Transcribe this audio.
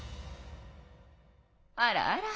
あらあら。